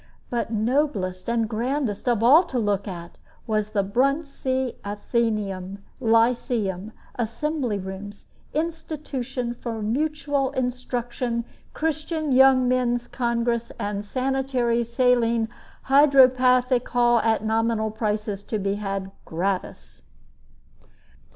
But noblest and grandest of all to look at was the "Bruntsea Athenaeum, Lyceum, Assembly Rooms, Institution for Mutual Instruction, Christian Young Men's Congress, and Sanitary, Saline, Hydropathic Hall, at nominal prices to be had gratis."